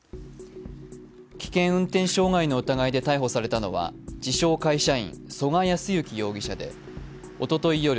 危険運転傷害の疑いで逮捕されたのは、自称・会社員、曽我康之容疑者ｄえおととい